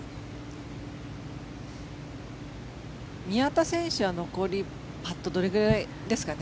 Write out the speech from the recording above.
宮田選手は残りパットどれぐらいですかね。